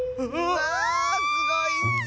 ⁉わあすごいッス！